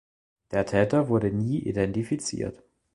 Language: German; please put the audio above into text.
Der Täter wurde nie identifiziert.